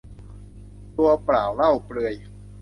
ตัวเปล่าเล่าเปลือย